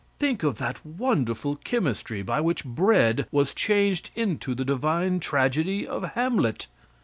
Think of that wonderful chemistry by which bread was changed into the divine tragedy of Hamlet!